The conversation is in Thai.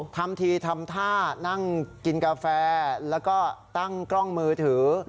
ทำทีทำท่านั่งกินกาแฟแล้วก็ตั้งกล้องมือถือ